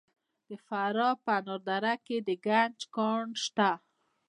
د فراه په انار دره کې د ګچ کان شته.